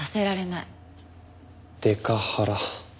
デカハラ。